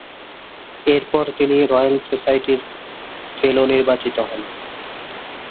এরপর তিনি রয়েল সোসাইটির ফেলো নির্বাচিত হন।